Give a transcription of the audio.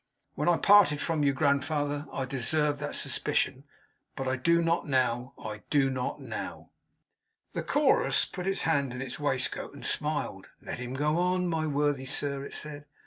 When I parted from you, Grandfather, I deserved that suspicion, but I do not now. I do not now.' The Chorus put its hand in its waistcoat, and smiled. 'Let him go on, my worthy sir,' it said.